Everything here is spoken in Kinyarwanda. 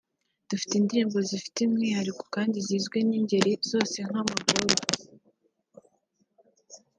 Dufite indirimbo zifite umwihariko kandi zizwi n’ingeri zose nka Magorwa